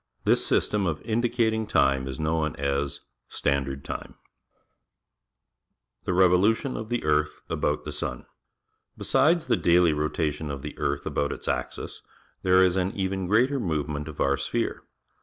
This system of in dicating time is known as Standard Time^. The Revolution of the Earth about the Sun. — Besides the daily ro tation of Jhe earth about its axis, there is an even greater^ moyein ent o f our sphere.